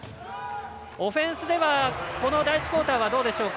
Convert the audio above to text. オフェンスではこの第１クオーターはどうでしょうか。